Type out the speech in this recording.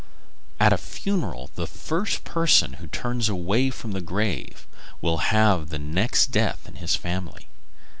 At a funeral the first person who turns away from the grave will have the next death in his family.